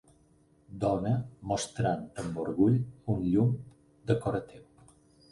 Dona mostrant amb orgull un llum decoratiu